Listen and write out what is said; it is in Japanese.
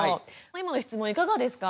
今の質問いかがですか？